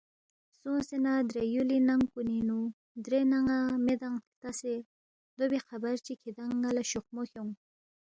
سونگسے نہ درے یُولی ننگ کُنِنگ نُو درے نن٘ا میدانگ ہلتسے دو بی خبر چی کِھدان٘ی ن٘ا لہ شوخمو کھیونگ